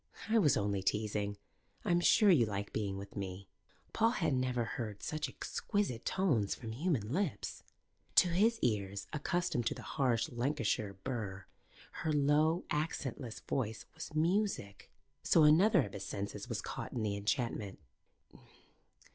"I was only teasing. I'm sure you like being with me." Paul had never heard such exquisite tones from human lips. To his ears, accustomed to the harsh Lancashire burr, her low, accentless voice was music. So another of his senses was caught in the enchantment.